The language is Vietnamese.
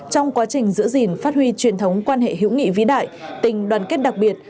trong quá trình giữ gìn phát huy truyền thống quan hệ hữu nghị vĩ đại tình đoàn kết đặc biệt